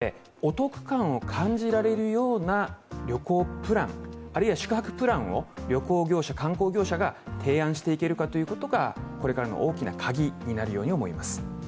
生活費がどんどん圧迫される中で、お得感を感じられるような旅行プラン、あるいは宿泊プランを旅行業者、観光業者が提案していけるかがこれからの大きなカギになるように思います。